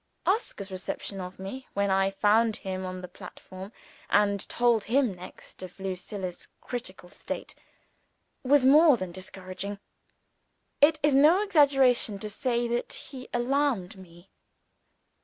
Oscar's reception of me, when I found him on the platform, and told him next of Lucilla's critical state, was more than discouraging. It is no exaggeration to say that he alarmed me.